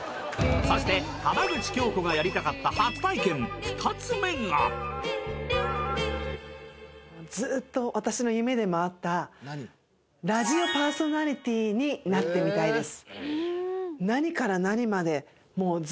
そして浜口京子がやりたかった初体験２つ目がずっと私の夢でもあったラジオパーソナリティになってみたいです。